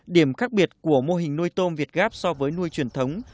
điểm khác biệt của mô hình nuôi tôm việt gáp so với nuôi truyền thống